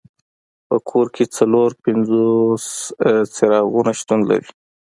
په کور کې څلور پنځوس څراغونه شتون لري.